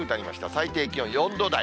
最低気温４度台。